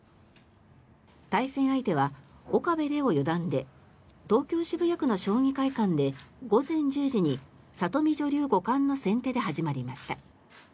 対戦相手は岡部怜央四段で東京・渋谷区の将棋会館で午前１０時に里見女流五冠の先手で始まりました。